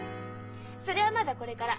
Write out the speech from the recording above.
それはまだこれから。